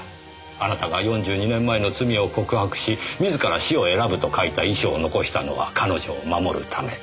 あなたが４２年前の罪を告白し自ら死を選ぶと書いた遺書を残したのは彼女を守るため。